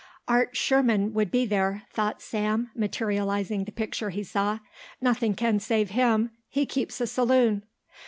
"Art Sherman would be there," thought Sam, materialising the picture he saw; "nothing can save him; he keeps a saloon."